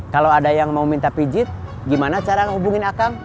kalau ada yang mau minta pijit gimana cara menghubungin akang